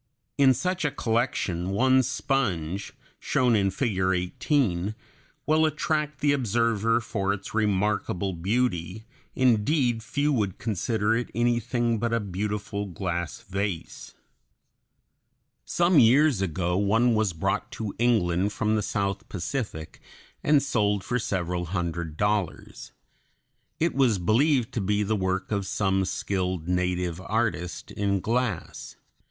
In such a collection one sponge, shown in Figure 18, will attract the observer for its remarkable beauty; indeed few would consider it anything but a beautiful glass vase. Some years ago one was brought to England from the South Pacific and sold for several hundred dollars. It was believed to be the work of some skilled native artist in glass.